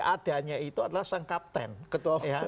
adanya itu adalah sang kapten ketua ya